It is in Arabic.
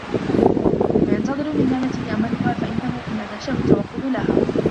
وَيَنْتَظِرُ مِنْ نِعْمَةٍ يَأْمُلُهَا فَإِنَّهُ إنْ أَدْهَشَهُ التَّوَقُّعُ لَهَا